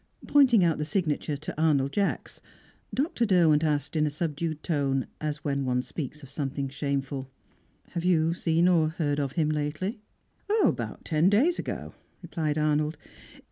Pointing out the signature to Arnold Jacks, Dr. Derwent asked in a subdued tone, as when one speaks of something shameful: "Have you seen or heard of him lately?" "About ten days ago," replied Arnold.